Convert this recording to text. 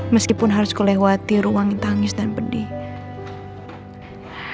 meskipun harus ku lewati ruang yang tangis dan pedih